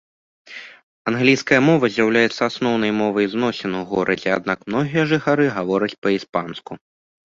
Англійская мова з'яўляецца асноўнай мовай зносін у горадзе, аднак многія жыхары гавораць па-іспанску.